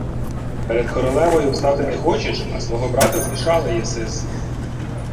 — Перед королевою встати не хочеш, а свого брата змішала єси з...